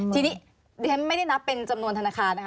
ทีนี้เรียนไม่ได้นับเป็นจำนวนธนาคารนะคะ